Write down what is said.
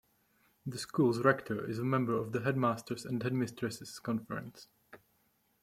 The school's Rector is a member of the Headmasters' and Headmistresses' Conference.